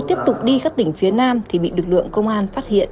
tiếp tục đi các tỉnh phía nam thì bị lực lượng công an phát hiện